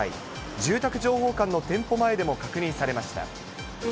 住宅情報館の店舗前でも確認されました。